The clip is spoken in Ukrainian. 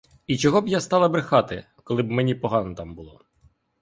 І чого б я стала брехати, коли б мені погано там було?